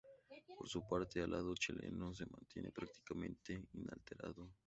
Por su parte, el lado chileno se mantiene prácticamente inalterado.